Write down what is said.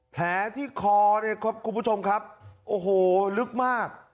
แผลที่คอเนี่ยครับคุณผู้ชมครับโอ้โหลึกมาก